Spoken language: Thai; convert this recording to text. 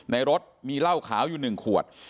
ในรถมีเหล้าขาวอยู่๑ขวด